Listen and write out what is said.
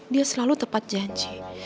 dia selalu tepat janji